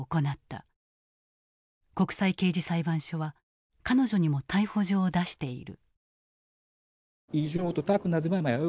国際刑事裁判所は彼女にも逮捕状を出している。